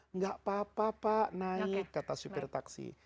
enggak apa apa pak naik kata supir taksi